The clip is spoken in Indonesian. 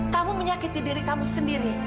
kamu menyakiti diri kamu sendiri